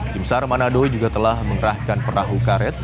timsar manado juga telah mengerahkan perahu karet